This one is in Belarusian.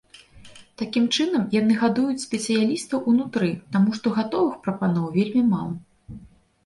Такім чынам, яны гадуюць спецыялістаў унутры, таму што гатовых прапаноў вельмі мала.